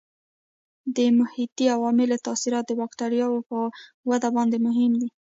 د محیطي عواملو تاثیرات د بکټریاوو په وده باندې مهم دي.